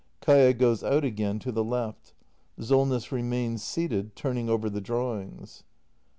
[Kaia goes out again to the left. Solness remains seated, turning over the drawings.